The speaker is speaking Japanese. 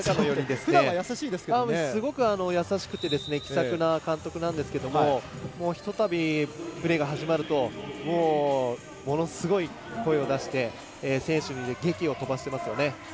ふだんはすごく優しくて気さくな監督なんですけどひとたび、プレーが始まるとものすごい声を出して選手にげきを飛ばしていますよね。